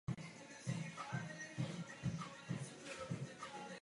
Nejvyšším bodem oblasti je vrch Ralsko.